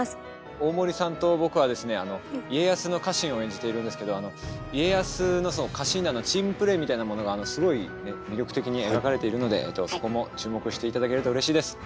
大森さんと僕はですね家康の家臣を演じているんですけど家康の家臣団のチームプレーみたいなものがすごい魅力的に描かれているのでそこも注目して頂けるとうれしいです。